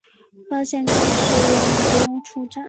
发现其实我们不用出站